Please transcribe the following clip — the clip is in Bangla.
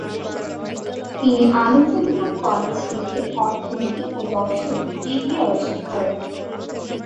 তিনি আনন্দ মোহন কলেজ থেকে অর্থনীতি ও দর্শনে ডিগ্রি অর্জন করেন।